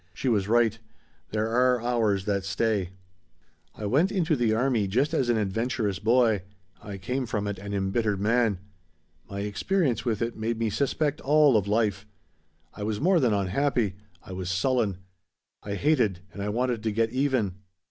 She was right. There are hours that stay. "I went into the army just an adventurous boy. I came from it an embittered man. My experience with it made me suspect all of life. I was more than unhappy. I was sullen. I hated and I wanted to get even.